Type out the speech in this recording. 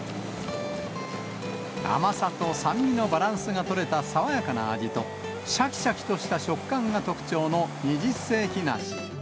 甘さと酸味のバランスが取れた、爽やかな味としゃきしゃきとした食感が特徴の二十世紀梨。